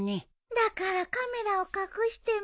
だからカメラを隠しても。